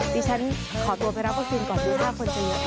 ดิฉันขอตัวไปรับวัคซีนก่อนดูถ้าคนจะเยอะ